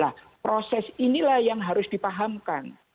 nah proses inilah yang harus dipahamkan